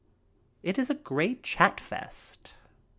It is a great chatfest.